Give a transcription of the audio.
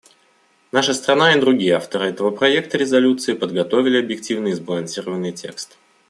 Наша страна и другие авторы этого проекта резолюции подготовили объективный и сбалансированный текст.